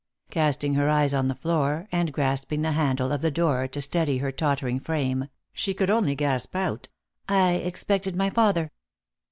Casting her eyes on the floor, and grasping the handle of the door, to steady her tottering frame, she could only gasp out, " I expected my father."